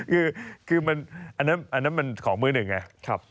คือคือมันอันนั้นอันนั้นมันของมือหนึ่งไงครับ